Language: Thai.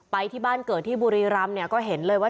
ที่บ้านเกิดที่บุรีรำเนี่ยก็เห็นเลยว่า